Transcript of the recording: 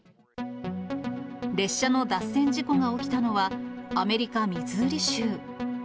列車の脱線事故が起きたのは、アメリカ・ミズーリ州。